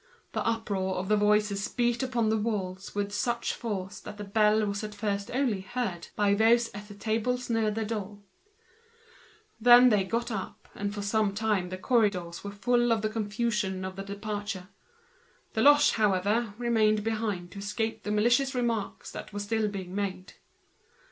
The uproar of the voices beat on the walls with such force that the bell was at first only heard by those at the tables near the door. They got up, and the confusion of the departure filled the corridors for a long time. Deloche, however, remained behind to escape the malicious remarks that were still being made.